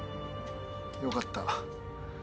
よかった。